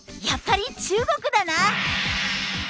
やっぱり中国だな。